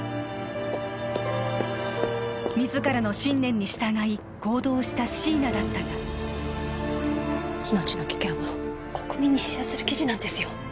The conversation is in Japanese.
自らの信念に従い行動した椎名だったが命の危険を国民に知らせる記事なんですよ